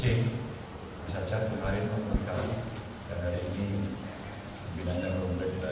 bisa catu hari ini dan hari ini pimpinan yang berumur juga